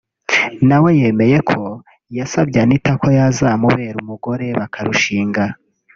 nawe yemeye ko yasabye Anita ko yazamubera umugore bakarushinga